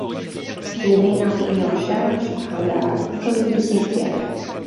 Il est maintenant pris en charge par la commune de Saint-Pierre.